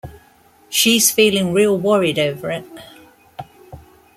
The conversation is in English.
She’s feeling real worried over it.